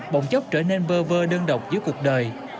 bộng chốc trở nên vơ vơ đơn độc dưới cuộc đời